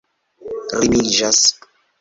rimiĝas